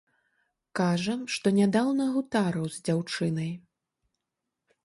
Кажа, што нядаўна гутарыў з дзяўчынай.